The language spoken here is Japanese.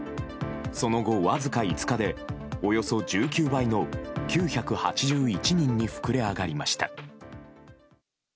その後、わずか５日でおよそ１９倍の９８１人に膨れ上がりました。